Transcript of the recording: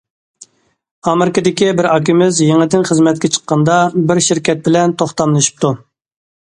ئامېرىكىدىكى بىر ئاكىمىز يېڭىدىن خىزمەتكە چىققاندا، بىر شىركەت بىلەن توختاملىشىپتۇ.